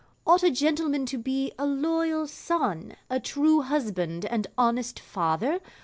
Ought a gentleman to be a loyal son, a true husband, and honest father?